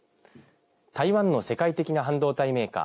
台湾の世界的な半導体メーカー